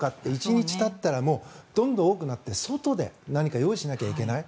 １日たったらどんどん多くなって外で何か用意しなければいけない。